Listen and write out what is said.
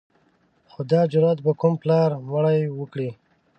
خو دا جرأت به کوم پلار مړی وکړي.